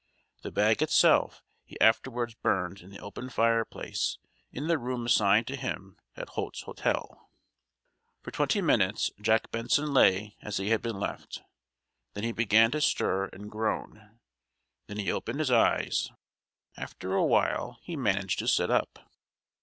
The bag itself he afterwards burned in the open fireplace in the room assigned to him at Holt's Hotel. For twenty minutes Jack Benson lay as he had been left. Then he began to stir, and groan. Then he opened his eyes; after a while he managed to sit up.